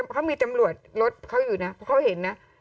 เขามีตำรวจรถเขาอยู่นะเพราะเขาเห็นนะ